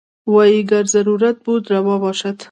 وايي ګر ضرورت بود روا باشد.